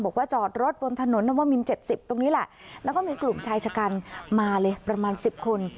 บอกว่าจอดรถบนถนนนวมิน๗๐ตรงนี้แหละแล้วก็มีกลุ่มชายชะกันมาเลยประมาณ๑๐คน